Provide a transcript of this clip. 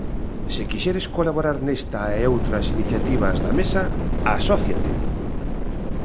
Se quixeres colaborar nesta e outras iniciativas da Mesa, asóciate!